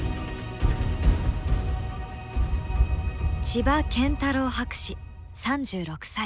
千葉謙太郎博士３６歳。